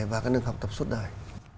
và các nương học tập suốt đời